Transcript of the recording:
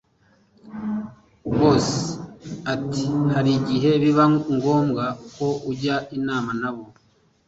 Boss atiharigihe biba ngobwa ko ujya inama nabo